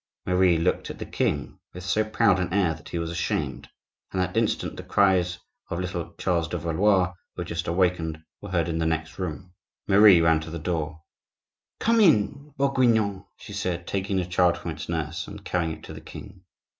Marie looked at the king with so proud an air that he was ashamed. At that instant the cries of little Charles de Valois, who had just awakened, were heard in the next room. Marie ran to the door. "Come in, Bourguignonne!" she said, taking the child from its nurse and carrying it to the king.